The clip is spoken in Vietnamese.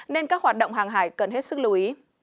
nên các hoạt động hàng hải cần hết sức lưu ý